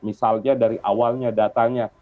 misalnya dari awalnya datanya